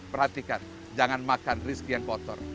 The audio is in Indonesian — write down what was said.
perhatikan jangan makan rizki yang kotor